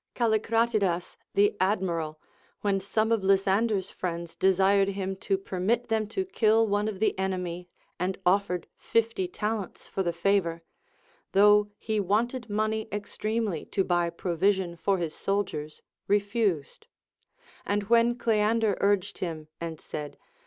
Callicratidas the admiral, Λvhen some of Lysander's friends desired him to permit them to kill one of the enemy, and offered fifty talents for the favor, though he wanted money extremely to buy provision for his soldiers, refused ; and when Oleander urged him, and said.